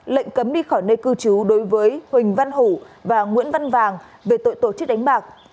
lệnh cấm đi khỏi nơi cư trú đối với huỳnh văn hủ và nguyễn văn vàng về tội tổ chức đánh bạc